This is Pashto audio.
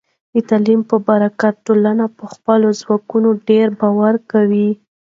د تعلیم په برکت، ټولنه په خپلو ځواکونو ډیر باور کوي.